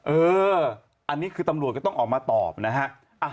เอออันนี้คือตำรวจก็ต้องออกมาตอบนะฮะ